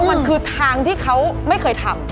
มันคือทางที่เขาไม่เคยทำ